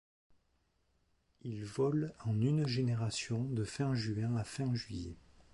Il vole en une génération de fin juin à fin juillet.